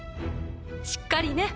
しっかりね。